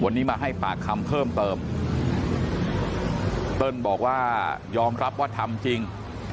วันนี้มาให้ปากคำเพิ่มเติมเติ้ลบอกว่ายอมรับว่าทำจริง